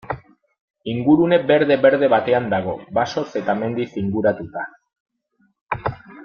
Ingurune berde-berde batean dago, basoz eta mendiz inguratuta.